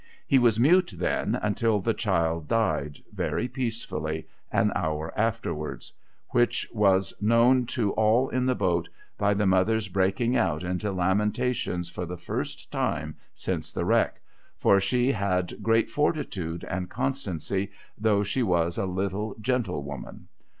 He was mute then, until the child died, very peacefully, an hour afterwards : which was known to all in the boat by the mother's breaking out into lamentations for the first time since the wreck — for, she had great fortitude and con stancy, though she was a little, gentle woman.